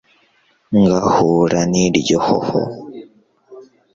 ngahura n'iryo hoho